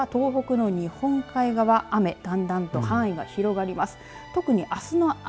今度は北陸や東北の日本海側雨、だんだんと範囲が広がります。